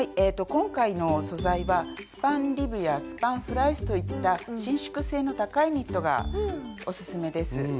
えと今回の素材はスパンリブやスパンフライスといった伸縮性の高いニットがオススメです。